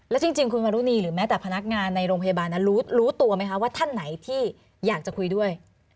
แล้วจริงคุณมรุณีหรือแม้แต่พนักงานในโรงพยาบาลนั้นรู้ตัวไหมคะว่าท่านไหนที่อยากจะคุยด้วย